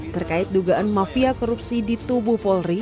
terkait dugaan mafia korupsi di tubuh polri